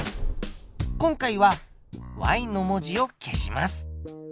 今回はの文字を消します。